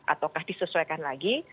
ataukah disesuaikan lagi